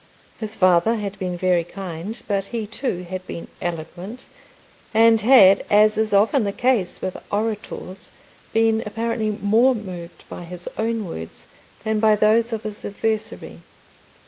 His father had been very kind, but he, too, had been eloquent; and had, as is often the case with orators, been apparently more moved by his own words than by those of his adversary.